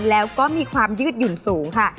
แล้วก็มีความยืดหยุ่นสูงค่ะ